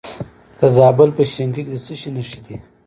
د زابل په شینکۍ کې د څه شي نښې دي؟